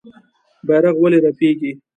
بیرغ ولې رپیږي؟